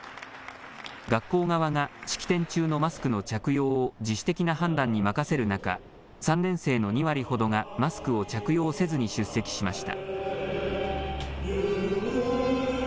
学校側が、式典中のマスクの着用を自主的な判断に任せる中、３年生の２割ほどがマスクを着用せずに出席しました。